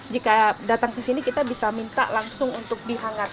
jika datang ke sini kita bisa minta langsung untuk dihangat